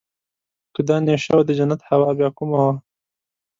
که دا نېشه وه د جنت هوا بيا کومه وه.